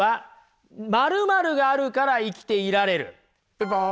ピンポン。